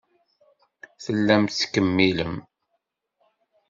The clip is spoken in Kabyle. Tellam tettkemmilem.